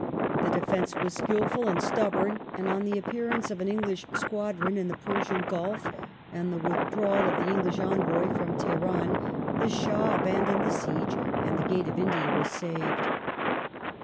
The defence was skilful and stubborn, and on the appearance of an English squadron in the Pei*sian Gulf, and the withdrawal of the English envoy from Teheran, the Shah abandoned the siege, and the " Gate of India " was saved.